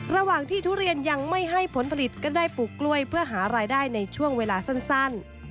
ระหว่างที่ทุเรียนยังไม่ให้ผลผลิตก็ได้ปลูกกล้วยเพื่อหารายได้ในช่วงเวลาสั้น